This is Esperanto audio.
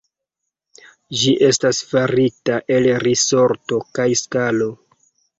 Ĝi estas farita el risorto kaj skalo.